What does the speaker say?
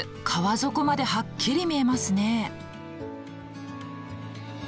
川底まではっきり見えますね。